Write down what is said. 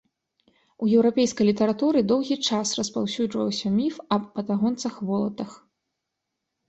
У еўрапейскай літаратуры доўгі час распаўсюджваўся міф аб патагонцах-волатах.